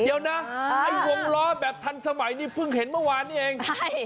เดี๋ยวนะไอ้วงล้อแบบทันสมัยนี่เพิ่งเห็นเมื่อวานนี้เองใช่